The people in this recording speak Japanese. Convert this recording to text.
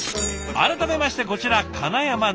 改めましてこちら金山直樹さん。